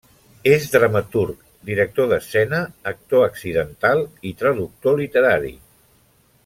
És dramaturg, director d'escena, actor accidental i traductor literari.